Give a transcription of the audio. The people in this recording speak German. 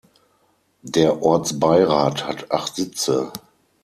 Der Ortsbeirat hat acht Sitze.